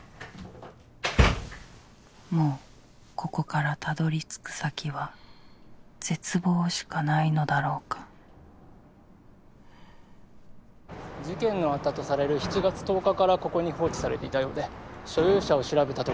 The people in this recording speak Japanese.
もうここから辿り着く先は絶望しかないのだろうか事件のあったとされる７月１０日からここに放置されていたようで所有者を調べたところ